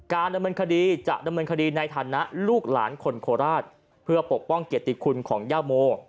การดำเนินคดีจะดำเนินคดีในฐานะลูกหลานคนโคราชเพื่อปกป้องเกียรติคุณของย่าโม